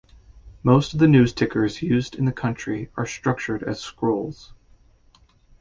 Most of the news tickers used in the country are structured as scrolls.